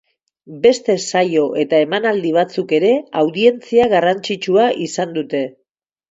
Beste saio eta emanaldi batzuk ere audientzia garrantzitsua izan dute.